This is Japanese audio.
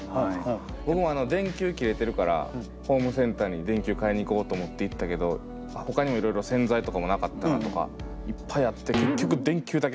僕も電球切れてるからホームセンターに電球買いに行こうと思って行ったけどほかにもいろいろ洗剤とかもなかったなとかいっぱいあって分かる。